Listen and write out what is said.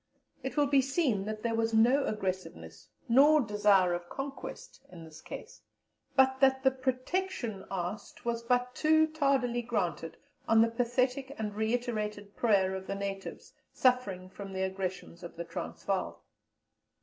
It will be seen that there was no aggressiveness nor desire of conquest in this case; but that the protection asked was but too tardily granted on the pathetic and reiterated prayer of the natives suffering from the aggressions of the Transvaal.